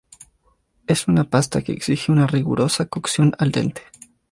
Es una pasta que exige una rigurosa cocción al dente.